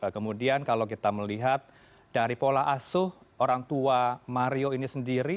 kemudian kalau kita melihat dari pola asuh orang tua mario ini sendiri